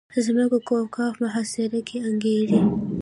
ځمکه کوه قاف محاصره کې انګېري.